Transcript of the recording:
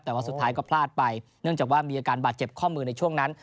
แต่ว่าสุดท้ายก็พลาดไปเนื่องจากว่ามีอาการบาดเจ็บข้อมือในช่วงนั้น